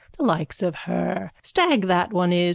The likes of her! Stag that one is!